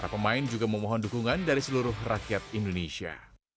pemain juga memohon dukungan dari seluruh rakyat indonesia